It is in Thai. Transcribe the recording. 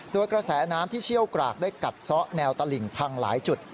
โดยกระแสน้ำที่เชี่ยวกรากได้กัดซ้อแนวตลิ่งพังหลายจุด